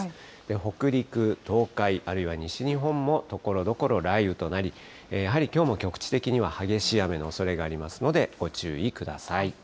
北陸、東海、あるいは西日本もところどころ雷雨となり、やはりきょうも局地的には激しい雨のおそれもありますので、ご注意ください。